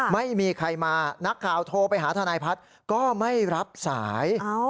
ไม่มีใครมานักข่าวโทรไปหาทนายพัฒน์ก็ไม่รับสาย